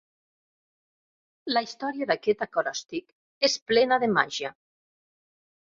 La història d'aquest acròstic és plena de màgia.